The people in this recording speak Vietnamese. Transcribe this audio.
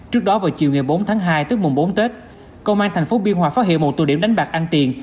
trước đó vào chiều bốn tháng hai tức mùng bốn tết công an thành phố biên hòa phát hiện một tụ điểm đánh bạc ăn tiền